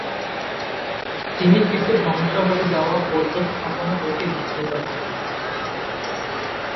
তিনি কিছু ধ্বংশ হয়ে যাওয়ে বৌদ্ধ স্থাপনা দেখে বিস্মিত হন।